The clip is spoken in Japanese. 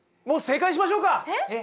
もう正解にしましょうか！